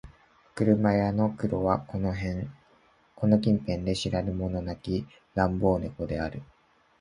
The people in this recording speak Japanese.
車屋の黒はこの近辺で知らぬ者なき乱暴猫である